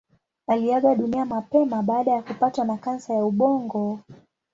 Aliaga dunia mapema baada ya kupatwa na kansa ya ubongo.